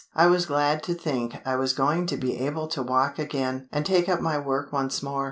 I was glad to think I was going to be able to walk again, and take up my work once more.